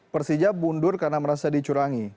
persija mundur karena merasa dicurangi